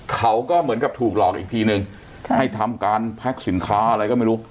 เขาก็เหมือนกับถูกหลอกอีกทีนึงให้ทำการแพ็คสินค้าอะไรก็ไม่รู้